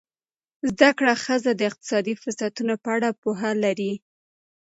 زده کړه ښځه د اقتصادي فرصتونو په اړه پوهه لري.